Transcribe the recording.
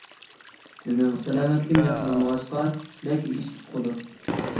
مېنىڭ سالامەتلىكىم ياخشى بولمىغاچقا بەك ئىش ئۇقىدۇ.